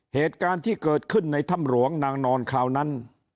เหตุการณ์ที่เกิดขึ้นในถ้ำหลวงนางนอนคราวนั้น